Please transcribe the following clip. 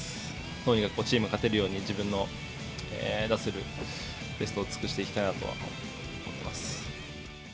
とにかくチームが勝てるように、自分の出せるベストを尽くしていきたいなとは思ってます。